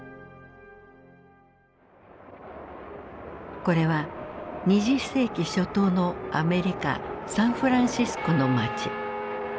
これは２０世紀初頭のアメリカサンフランシスコの街。